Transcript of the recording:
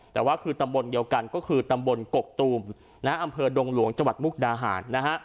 แต่ว่าคือตำบลเดียวกันก็คือตำบลกกตูมอำเภอดงหลวงจังหวัดมุกดาหารนะฮะ